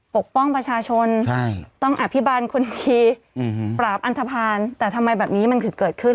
ปกป้องประชาชนต้องอภิบาลคนดีปราบอันทภาณแต่ทำไมแบบนี้มันคือเกิดขึ้น